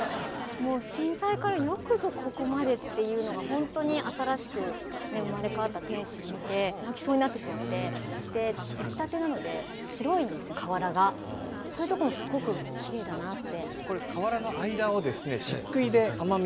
震災からよくぞここまでっていうのがほんとに新しく生まれ変わった天守を見て泣きそうになってしまってそういうところもすごくきれいだなって。